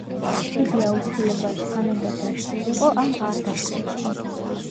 იგი აუცილებლად ან უნდა დაშლილიყო, ან არ დაშლილიყო.